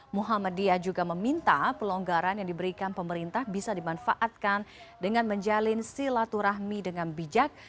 muhammadiyah juga meminta pelonggaran yang diberikan pemerintah bisa dimanfaatkan dengan menjalin silaturahmi dengan bijak